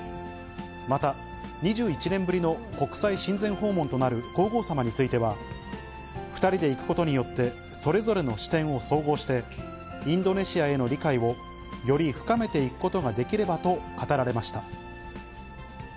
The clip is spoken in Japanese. また、２１年ぶりの国際親善訪問となる皇后さまについては、２人で行くことによって、それぞれの視点を総合して、インドネシアへの理解を、より深めていくことができればと語られました。